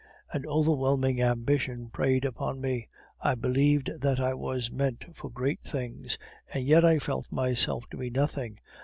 "An overweening ambition preyed upon me; I believed that I was meant for great things, and yet I felt myself to be nothing.